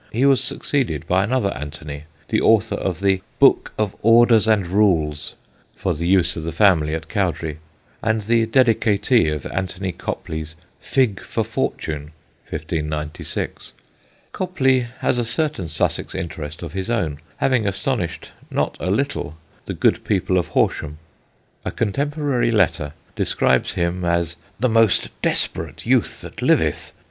He was succeeded by another Anthony, the author of the "Book of Orders and Rules" for the use of the family at Cowdray, and the dedicatee of Anthony Copley's Fig for Fortune, 1596. Copley has a certain Sussex interest of his own, having astonished not a little the good people of Horsham. A contemporary letter describes him as "the most desperate youth that liveth.